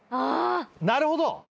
なるほど。